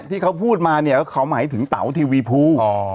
ที่เขาพูดมาเนี่ยเขาหมายถึงเต๋าทีวีภู